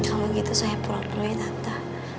kalau gitu saya pulang dulu ya tante